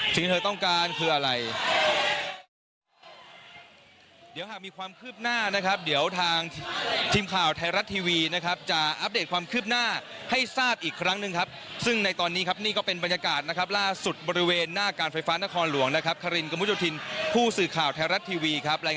สิ่งที่เธอต้องการคืออะไร